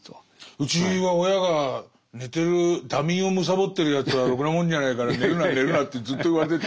うちは親が寝てる惰眠をむさぼってるやつはろくなもんじゃないから寝るな寝るなってずっと言われてて。